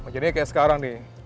jadi kayak sekarang nih